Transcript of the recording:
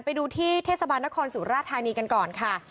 ไปดูที่เทศบาลนครสุราธานีกันก่อนค่ะ